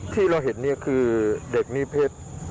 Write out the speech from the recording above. ที่เราเห็นเนี่ยคือเด็กนิเพชร